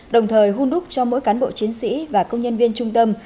đồng thời hôn đúc cho mỗi cán bộ chiến sĩ và công nhân viên trung tâm